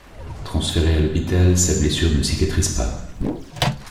Transféré à l'hôpital, sa blessure ne cicatrise pas.